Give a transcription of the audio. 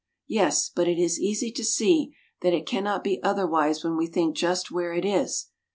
Yes ; but it is easy to see that it cannot be otherwise when we think just where it is.